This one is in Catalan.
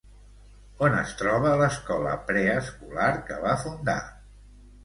On es troba l'escola preescolar que va fundar?